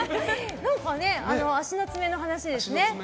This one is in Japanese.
何か、足の爪の話ですね。